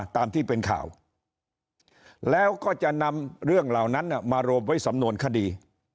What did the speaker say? ตามที่เป็นข่าวแล้วก็จะนำเรื่องเหล่านั้นมารวมไว้สำนวนคดี